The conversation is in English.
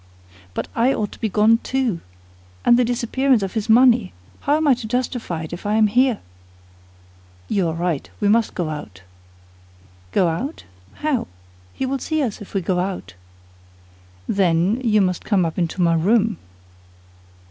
"But I ought to be gone, too. And the disappearance of his money; how am I to justify it if I am here?" "You are right; we must go out." "Go out? How? He will see us if we go out." "Then you must come up into my room."